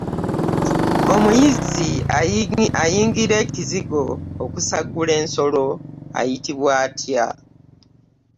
Omuyizzi ayingira ekizigo okusaggula ensolo ayitibwa atya?